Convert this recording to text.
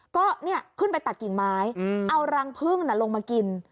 ก็ขึ้นไปตัดกิ่งไม้เอารังพึ่งลงมากิน